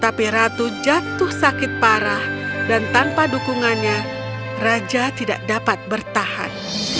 tapi ratu jatuh sakit parah dan tanpa dukungannya raja tidak dapat bertahan